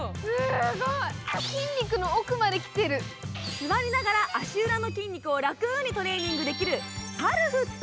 座りながら足裏の筋肉を楽にトレーニングできる、カルフット。